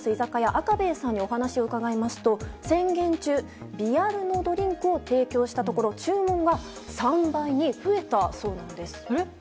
赤兵衛さんにお話を伺いますと宣言中、微アルのドリンクを提供したところ注文が３倍に増えたそうなんです。